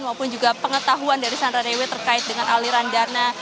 maupun juga pengetahuan dari sandra dewi terkait dengan aliran dana